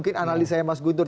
nanti akan sedikit yang hadir